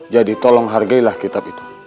jadi tolong hargailah kitab itu